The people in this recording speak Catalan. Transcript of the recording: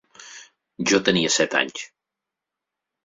Jo tenia set anys.